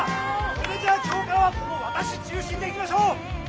それじゃあ今日からはこの私中心でいきましょう！